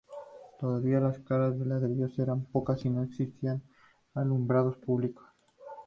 Todavía las casas de ladrillos eran pocas y no existía alumbrado público.